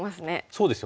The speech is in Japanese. そうですよね。